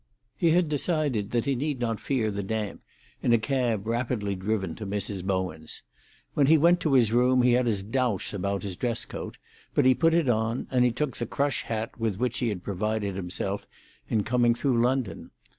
He had decided that he need not fear the damp in a cab rapidly driven to Mrs. Bowen's. When he went to his room he had his doubts about his dress coat; but he put it on, and he took the crush hat with which he had provided himself in coming through London.